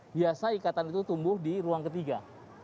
biasa ikatan itu tumbuh di ruang ketiga